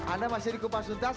anda masih di kupas tuntas